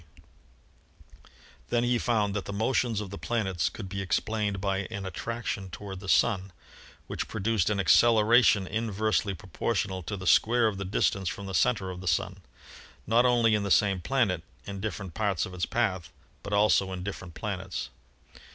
THE SOLAR SYSTEM 81 Then he found that the motions of the planets could be explained by an attraction toward the Sun, which pro duced an acceleration inversely proportional to the square of the distance from the center of the Sun, not only in the same planet in different parts of its path, but also in different planets.